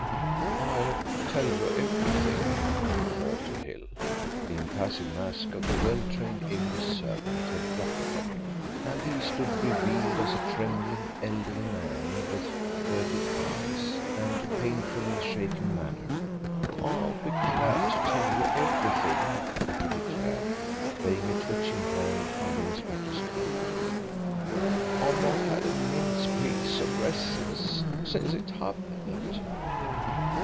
"I'll tell you everything," faltered Hill. The impassive mask of the well trained English servant had dropped from him, and he stood revealed as a trembling elderly man with furtive eyes, and a painfully shaken manner. "I'll be glad to tell you everything," he declared, laying a twitching hand on the inspector's coat. "I've not had a minute's peace or rest since since it happened."